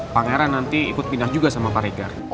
pangeran nanti ikut pindah juga sama pak rikard